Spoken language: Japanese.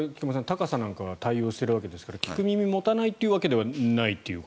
高さなんかは対応しているわけですから聞く耳を持たないわけではないという。